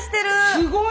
すごい！